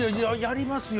やりますよ。